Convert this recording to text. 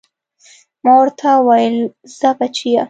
ما ورته وويل ځه بچيه.